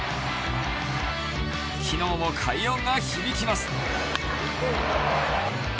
昨日も快音が響きます。